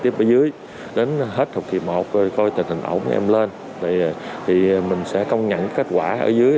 tiếp ở dưới đến hết học kỳ một coi tình hình ổn em lên thì mình sẽ công nhận kết quả ở dưới